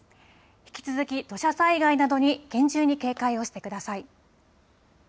引き続き土砂災害などに厳重に警戒をしてください。